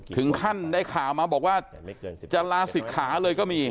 ถึงขั้นได้ข่าวมาบอกว่าจะลาศิกขาเลยก็มี